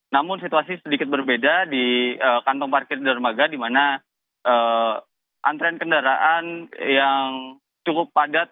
namun situasi sedikit berbeda di kantong parkir dermaga di mana antrean kendaraan yang cukup padat